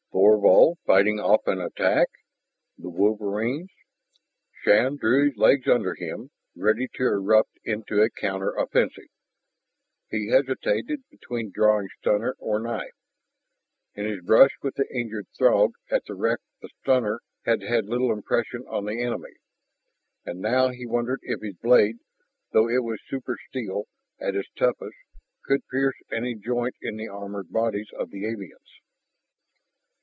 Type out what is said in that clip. Thorvald fighting off an attack? The wolverines? Shann drew his legs under him, ready to erupt into a counter offensive. He hesitated between drawing stunner or knife. In his brush with the injured Throg at the wreck the stunner had had little impression on the enemy. And now he wondered if his blade, though it was super steel at its toughest, could pierce any joint in the armored bodies of the aliens.